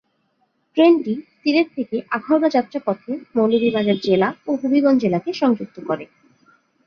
ট্রেনটি সিলেট থেকে আখাউড়া যাত্রাপথে মৌলভীবাজার জেলা ও হবিগঞ্জ জেলা কে সংযুক্ত করে।